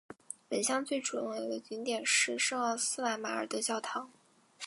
本乡最重要的景点是圣奥斯瓦尔德教堂。